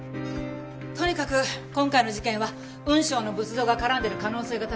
とにかく今回の事件は雲尚の仏像が絡んでる可能性が高いわ。